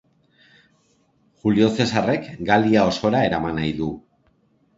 Julio Zesarrek Galia osora eraman nahi du.